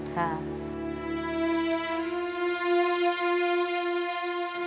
ค่ะ